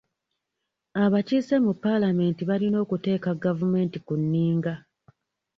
Abakiise mu paalamenti balina okuteeka gavumenti ku nninga.